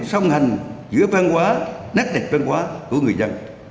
song hành giữa văn hóa nét đẹp văn hóa của người dân